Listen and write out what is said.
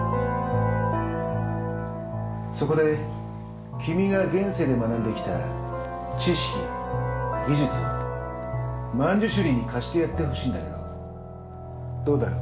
そこで君が現世で学んで来た知識技術をマンジュシュリーに貸してやってほしいんだけどどうだろう？